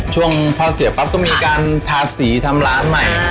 ช่วงพอเสียปั๊บก็มีการทาสีทำร้านใหม่